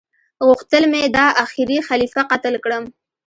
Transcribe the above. غوښتل مي دا اخيري خليفه قتل کړم